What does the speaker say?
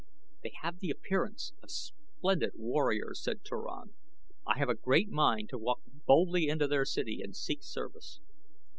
"They have the appearance of splendid warriors," said Turan. "I have a great mind to walk boldly into their city and seek service."